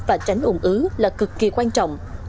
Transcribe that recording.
và tránh ủng ứ là cực kỳ quan trọng